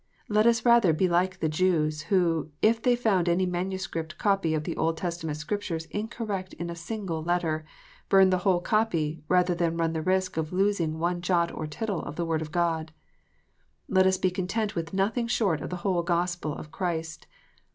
Let us rather be like the Jews, who, if they found any manuscript copy of the Old Testament Scriptures incorrect in a single letter, burned the whole copy, rather than run the risk of losing one jot or tittle of the Word of God. Let us be content with nothing short of the whole Gospel of Christ.